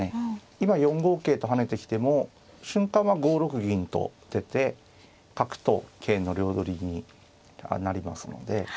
今４五桂と跳ねてきても瞬間は５六銀と出て角と桂の両取りになりますので。